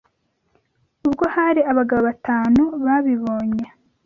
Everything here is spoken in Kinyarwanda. Ubwo hari abagabo batanu babibonye